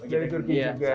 dari turki juga